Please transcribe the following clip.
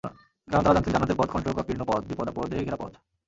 কারণ তাঁরা জানতেন, জান্নাতের পথ কন্টকাকীর্ণ পথ, বিপদাপদে ঘেরা পথ।